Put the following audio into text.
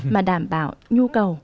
mà đảm bảo nhu cầu